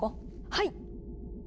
はい！